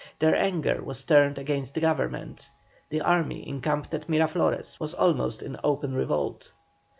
Their anger was turned against Government; the army encamped at Miraflores was almost in open revolt.